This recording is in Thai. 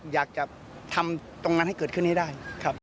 อยากจะทำตรงนั้นให้เกิดขึ้นให้ได้ครับ